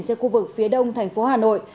trên khu vực phía đông thành phố hà nội